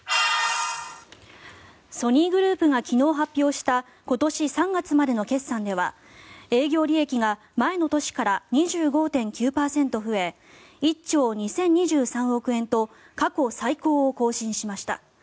ソニーグループが昨日発表した今年３月までの決算では営業利益が前の年から２５．９％増え１兆２０２３億円と過去最高を更新しました。